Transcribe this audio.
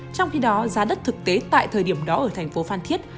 trong khi đó giá đất thực tế tại thời điểm đó ở thành phố phan thiết